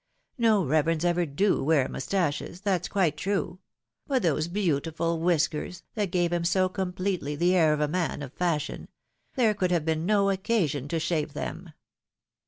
No reverends ever do wear mustaches, that's quite true ; but those beautiful whiskers, that gave him so completely the air of a man of fashion — ^there could have been no occasion to shave them